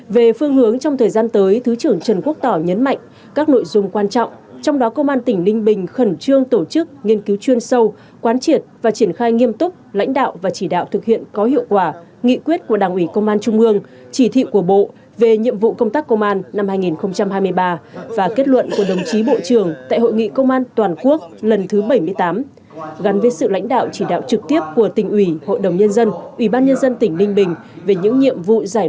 về phương hướng trong thời gian tới thứ trưởng trần quốc tỏ nhấn mạnh các nội dung quan trọng trong đó công an tỉnh ninh bình khẩn trương tổ chức nghiên cứu chuyên sâu quán triệt và triển khai nghiêm túc lãnh đạo và chỉ đạo thực hiện có hiệu quả nghị quyết của đảng ủy công an trung ương chỉ thị của bộ về nhiệm vụ công tác công an năm hai nghìn hai mươi ba và kết luận của đồng chí bộ trưởng tại hội nghị công an toàn quốc lần thứ bảy mươi tám gắn với sự lãnh đạo chỉ đạo trực tiếp của tỉnh ủy hội đồng nhân dân ủy ban nhân dân tỉnh ninh bình về những nhiệm vụ giải